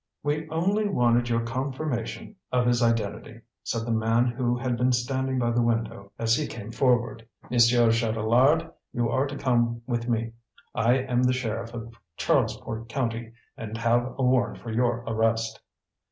"We only wanted your confirmation of his identity," said the man who had been standing by the window, as he came forward. "Monsieur Chatelard, you are to come with me. I am the sheriff of Charlesport County, and have a warrant for your arrest."